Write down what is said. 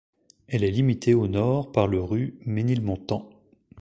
Elle est limitée au nord par le ru Ménilmontant.